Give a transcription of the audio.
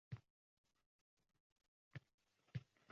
Keyin, o'zimga, to'xtating dedim